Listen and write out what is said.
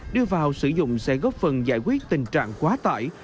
đưa vào sử dụng sẽ góp phần giải quyết tình trạng quá tải